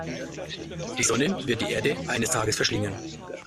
Die Sonne wird die Erde eines Tages verschlingen.